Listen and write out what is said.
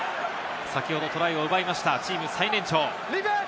先ほどトライを奪いました、チーム最年長。